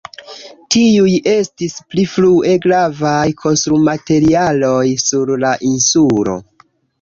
Tiuj estis pli frue gravaj konstrumaterialoj sur la insulo.